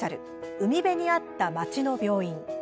「海辺にあった、町の病院」。